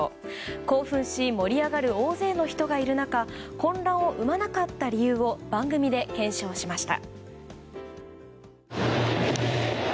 興奮し盛り上がる大勢の人がいる中混乱を生まなかった理由を番組で検証しました。